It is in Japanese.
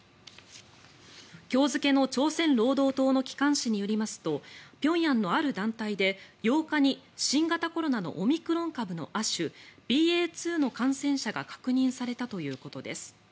今日付の朝鮮労働党の機関紙によりますと平壌のある団体で、８日に新型コロナのオミクロン株の亜種ＢＡ．２の感染者が確認されたということです。